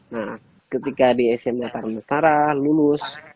nah ketika di sma tarunan sentara lulus